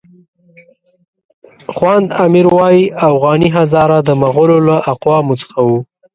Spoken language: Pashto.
خواند امیر وایي اوغاني هزاره د مغولو له اقوامو څخه وو.